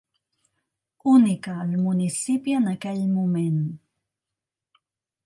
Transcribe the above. Única al municipi en aquell moment.